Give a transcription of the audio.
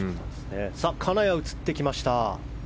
金谷が映ってきました。